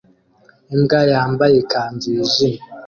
Imbwa yambaye ikanzu yijimye